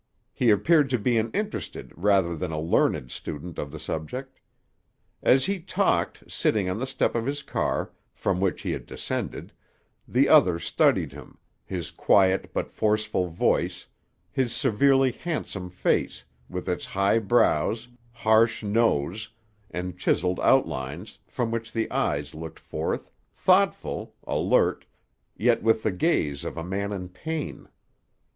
He appeared to be an interested rather than a learned student of the subject. As he talked, sitting on the step of his car, from which he had descended, the other studied him, his quiet but forceful voice, his severely handsome face, with its high brows, harsh nose, and chiseled outlines, from which the eyes looked forth, thoughtful, alert, yet with the gaze of a man in pain.